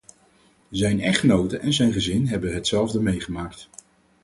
Zijn echtgenote en zijn gezin hebben hetzelfde meegemaakt.